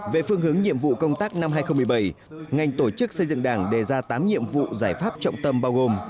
về phương hướng nhiệm vụ công tác năm hai nghìn một mươi bảy ngành tổ chức xây dựng đảng đề ra tám nhiệm vụ giải pháp trọng tâm bao gồm